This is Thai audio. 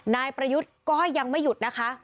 นายประยุทธ์ก็ยังไม่หยุดนะคะ